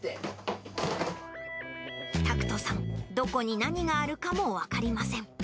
拓人さん、どこに何があるかも分かりません。